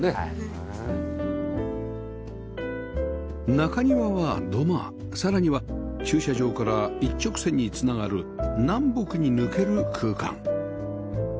中庭は土間さらには駐車場から一直線に繋がる南北に抜ける空間